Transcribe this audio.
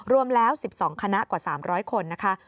รวมแล้ว๑๒คณะกว่า๓๐๐คนนะคะ